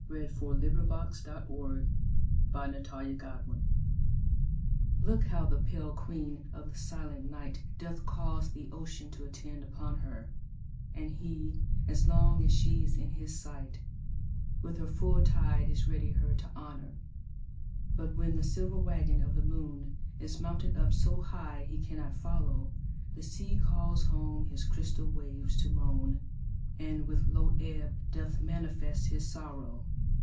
S T . U V . W X . Y Z A Sonnet of the Moon LOOK how the pale queen of the silent night Doth cause the ocean to attend upon her, And he, as long as she is in his sight, With her full tide is ready her to honor. But when the silver waggon of the moon Is mounted up so high he cannot follow, The sea calls home his crystal waves to moan, And with low ebb doth manifest his sorrow.